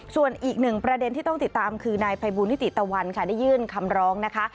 ส่วนอีกหนึ่งประเด็นที่ต้องติดตามคือนายภัยบูลนิติตะวันค่ะได้ยื่นคำร้องนะคะ